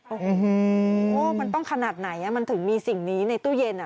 โอ้โหมันต้องขนาดไหนมันถึงมีสิ่งนี้ในตู้เย็น